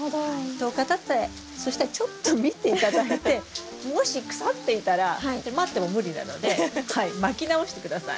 １０日たってそしたらちょっと見て頂いてもし腐っていたら待っても無理なのでまき直して下さい。